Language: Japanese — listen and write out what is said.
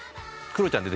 クロちゃんが。